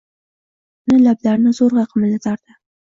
Uni lablarini zo’rg’a qimirlatardi.